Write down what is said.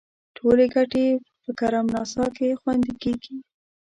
ټولې ګټې په کرم ناسا کې خوندي کیږي.